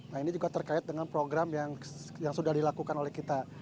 nah ini juga terkait dengan program yang sudah dilakukan oleh kita